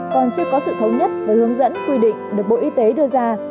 còn chưa có sự thống nhất và hướng dẫn quy định được bộ y tế đưa ra